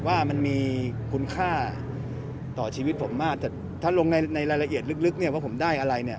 ว่ามันมีคุณค่าต่อชีวิตผมมากแต่ถ้าลงในรายละเอียดลึกเนี่ยว่าผมได้อะไรเนี่ย